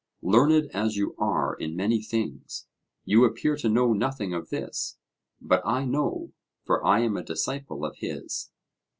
Learned as you are in many things, you appear to know nothing of this; but I know, for I am a disciple of his.